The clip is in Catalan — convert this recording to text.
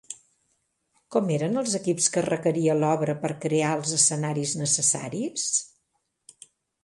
Com eren els equips que requeria l'obra per crear els escenaris necessaris?